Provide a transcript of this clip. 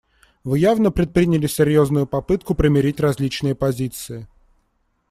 Вы явно предприняли серьезную попытку примирить различные позиции.